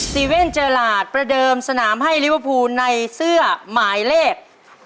เว่นเจอหลาดประเดิมสนามให้ลิเวอร์พูลในเสื้อหมายเลข๖